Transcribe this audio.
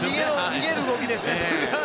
逃げる動きですね。